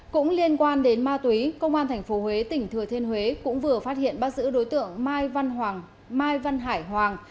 cũng liên quan đến ma túy công an tp huế tỉnh thừa thiên huế cũng vừa phát hiện bắt giữ đối tượng mai văn mai văn hải hoàng